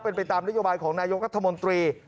เป็นปไตรตามนัยต้อนรัฐมนตรี